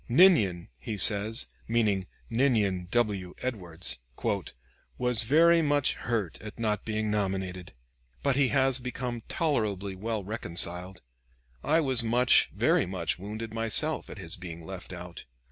"Ninian," he says, meaning Ninian W. Edwards, "was very much hurt at not being nominated, but he has become tolerably well reconciled. I was much, very much, wounded myself, at his being left out.